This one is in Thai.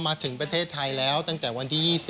มาถึงประเทศไทยแล้วตั้งแต่วันที่๒๐